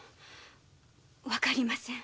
わかりません